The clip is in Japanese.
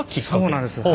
そうなんです。